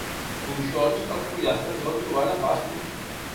Punxons que els pollastres deuen trobar nefastos.